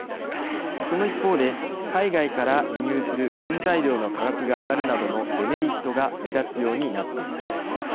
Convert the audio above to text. その一方で、海外から輸入する原材料の価格が上がるなどのデメリットが目立つようになっています。